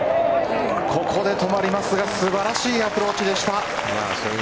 ここで止まりますが素晴らしいアプローチでした。